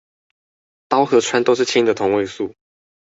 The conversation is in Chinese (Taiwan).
氘跟氚都是氫的同位素